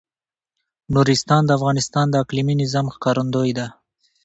نورستان د افغانستان د اقلیمي نظام ښکارندوی ده.